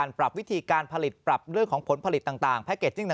ปรับวิธีการผลิตปรับเรื่องของผลผลิตต่างแพ็คเกจจิ้ง